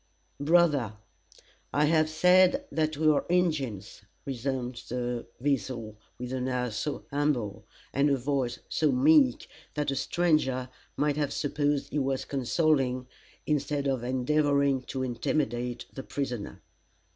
"Brother, I have said that we are Injins," resumed The Weasel, with an air so humble, and a voice so meek, that a stranger might have supposed he was consoling, instead of endeavoring to intimidate, the prisoner.